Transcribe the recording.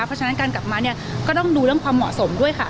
เพราะฉะนั้นการกลับมาเนี่ยก็ต้องดูเรื่องความเหมาะสมด้วยค่ะ